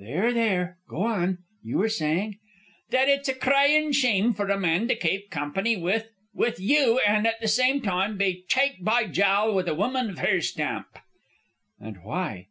"There, there, go on. You were saying?" "That it's a crying shame for a man to kape company with with you, an' at the same time be chake by jowl with a woman iv her stamp." "And why?"